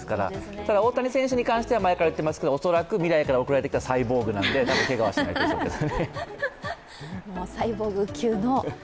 ただ、大谷選手に関しては、前から言っていますけど、未来から贈られてきたサイボーグなので、けがはしないと思いますね